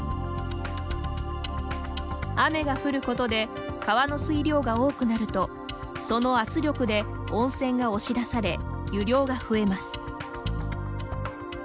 雨が降ることで川の水量が多くなるとその圧力で温泉が押し出され湯量が増えます。